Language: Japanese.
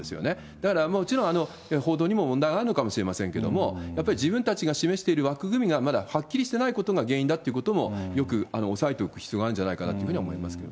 だからもちろん、報道にも問題はあるのかもしれませんけど、やっぱり自分たちが示している枠組みがまだはっきりしていないことが原因だっていうことも、よく押さえておく必要があるんじゃないかなというふうに思います